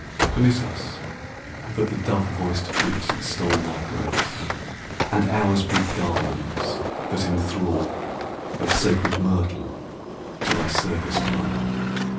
Permit us that the dove voiced flutes extol Thy grace, and ours be garlands that enthrall Of sacred myrtle to thy service grown.